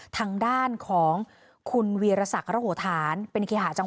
อยากให้เจ้าของระเบิดตรงนี้ก็มารับผิดโชคด้วยนะ